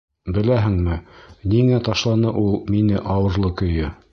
Беләһеңме ниңә ташланы ул мине ауырлы көйө?